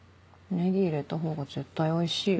ネギ入れた方が絶対おいしいよ。